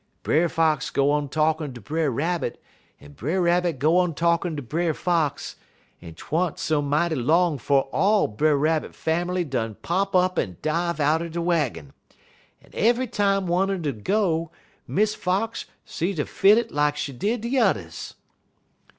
_' "Brer Fox go on talkin' ter Brer Rabbit, un Brer Rabbit go on talkin' ter Brer Fox, un 't wa'n't so mighty long 'fo' all Brer Rabbit fammerly done pop up un dive out de waggin, un ev'y time one 'ud go Miss Fox she 'ud fit it like she did de yuthers."